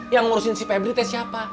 yang ngurusin si febri teh siapa